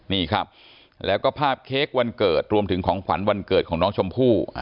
นี่ครับแล้วก็ภาพเค้กวันเกิดรวมถึงของขวัญวันเกิดของน้องชมพู่